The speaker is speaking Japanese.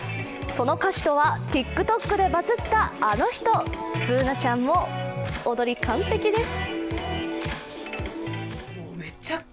その歌手とは、ＴｉｋＴｏｋでバズったあの人、Ｂｏｏｎａちゃんも、踊り、完璧です。